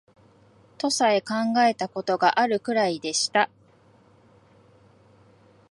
とさえ考えた事があるくらいでした